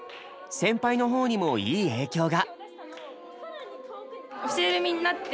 先輩の方にもいい影響が。